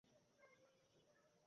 Abby, কী হলো?